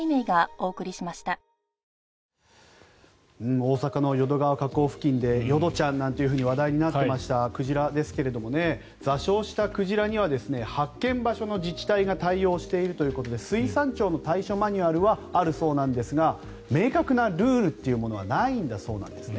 大阪の淀川河口付近で淀ちゃんなんて話題になっていました鯨ですけど座礁した鯨には発見場所の自治体が対応しているということで水産庁の対処マニュアルはあるそうなんですが明確なルールというものはないんだそうなんですね。